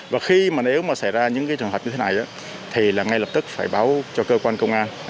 và khi mà nếu xảy ra những trường hợp như thế này thì ngay lập tức phải báo cho cơ quan công an